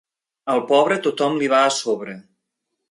Al pobre, tothom li va a sobre.